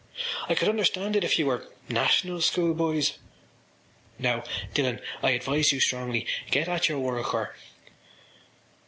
I could understand it if you were ... National School boys. Now, Dillon, I advise you strongly, get at your work or....